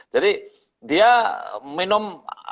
jadi dia minum